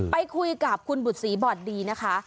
ไปคุยกับคุณบุษีบอดดีนะคะ